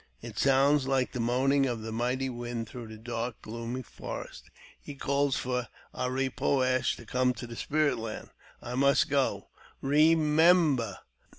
It sounds Hke the moaning of the mighty wind through the dark, gloomy forest. He calls for A ra poo ash to come to the Spirit Land. I must go. Ee — mem — ber